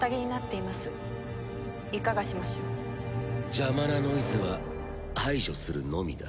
邪魔なノイズは排除するのみだ。